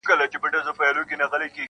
هره شېبه د انتظار پر تناره تېرېږي-